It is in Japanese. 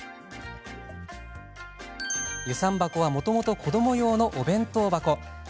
遊山箱はもともと子ども用のお弁当箱でした。